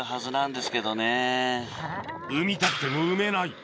産みたくても産めない